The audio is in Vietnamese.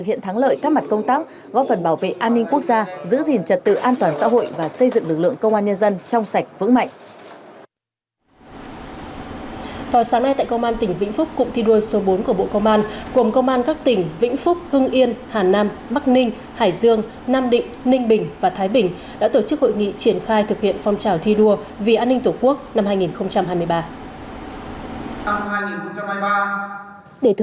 chiều nay ký kết giao ước thi đua vì an ninh tổ quốc năm hai nghìn hai mươi ba các đơn vị thống nhất nhiều nội dung quan trọng trọng tâm là thực hiện nghiêm túc phương châm tinh nguyện hiện đại theo tinh thần nghị quyết số một mươi hai của bộ chính trị